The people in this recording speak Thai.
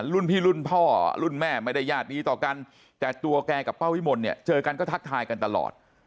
รุ่นพี่รุ่นพ่อรุ่นแม่ไม่ได้ญาตินี้ต่อกันแต่ตัวแกกับป้าวิมลเนี่ยเจอกันก็ทักทายกันตลอด